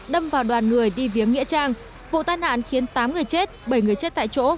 đâm vào đoàn người đi viếng nghĩa trang vụ tai nạn khiến tám người chết bảy người chết tại chỗ